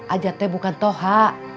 ajatnya bukan toha